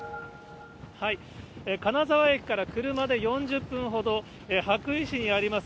金沢駅から車で４０分ほど、羽咋市にあります